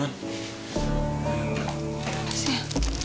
terima kasih ya